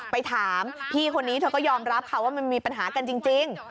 ไปถามพี่คนนี้เธอก็ยอมรับค่ะว่ามันมีปัญหากันจริง